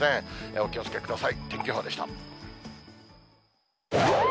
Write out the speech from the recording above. お気をつけください。